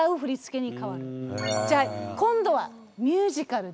じゃあ今度はミュージカルで。